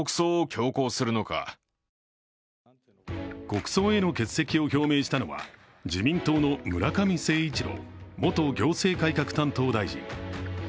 国葬への欠席を表明したのは自民党の村上誠一郎元行政改革担当大臣。